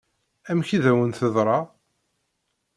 Amek i d-awen-teḍṛa?